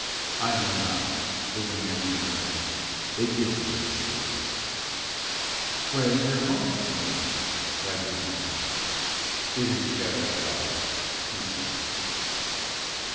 "I know not," said the man in the brown jacket; "they give me these things." "Where is your home, señor?" Rodriguez asked. "It is Shadow Valley," he said.